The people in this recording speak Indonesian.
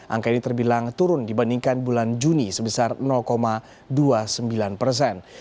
angka ini terbilang turun dibandingkan bulan juni sebesar dua puluh sembilan persen